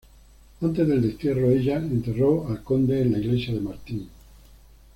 Antes del destierro ella enterró al conde en la iglesia de Martín.